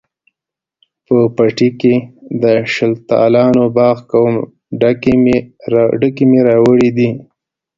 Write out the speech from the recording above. په پټي کښې د شلتالانو باغ کوم، ډکي مې راوړي دي